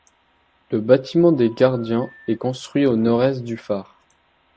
Le bâtiment des gardiens est construit au nord-est du phare.